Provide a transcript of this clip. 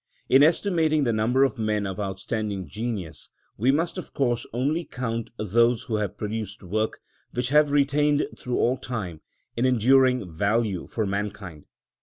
In estimating the number of men of outstanding genius, we must of course only count those who have produced works which have retained through all time an enduring value for mankind.